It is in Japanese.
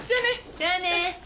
じゃあね。